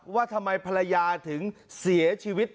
ว่าทำไมภรรยาถึงเสียชีวิต